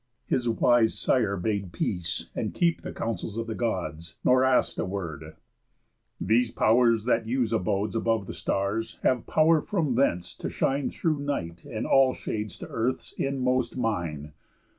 His wise sire Bade peace, and keep the counsels of the Gods, Nor ask a word: "These Pow'rs, that use abodes Above the stars, have pow'r from thence to shine Through night and all shades to earth's inmost mine.